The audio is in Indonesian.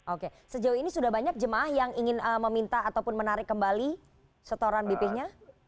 oke sejauh ini sudah banyak jemaah yang ingin meminta ataupun menarik kembali setoran bp nya